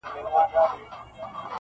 په حافظه کي ثبت پاته کيږي.